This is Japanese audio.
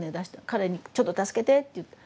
彼にちょっと助けてって言った。